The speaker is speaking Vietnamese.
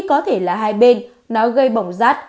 có thể là hai bên nó gây bỏng rát